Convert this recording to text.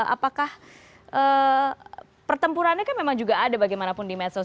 apakah pertempurannya kan memang juga ada bagaimanapun di medsos